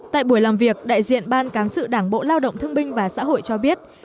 tại buổi làm việc đại diện ban cán sự đảng bộ lao động thương binh và xã hội cho biết